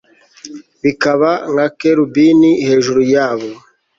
Bikaba nka kerubini hejuru yabo